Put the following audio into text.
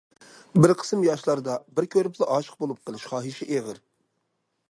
بىر قىسىم ياشلاردا‹‹ بىر كۆرۈپلا ئاشىق بولۇپ قېلىش›› خاھىشى ئېغىر.